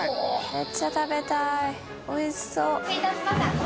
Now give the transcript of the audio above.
めっちゃ食べたいおいしそう。